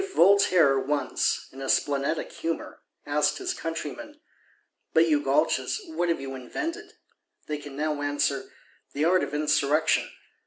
If Voltaire once, in splenetic humour, asked his countrymen: 'But you, Gualches, what have you invented?' they can now answer: The Art of Insurrection.